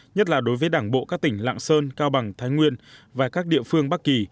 nhất là đối với đảng bộ các tỉnh lạng sơn cao bằng thái nguyên và các địa phương bắc kỳ